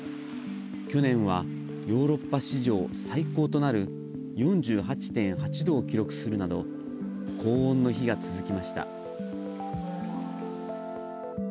去年はヨーロッパ史上最高となる４８．８度を記録するなど高温の日が続きました。